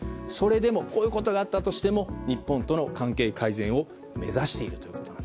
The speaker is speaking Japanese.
こういうことがあったとしても日本との関係改善を目指していくという。